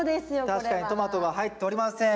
確かにトマトが入っておりません。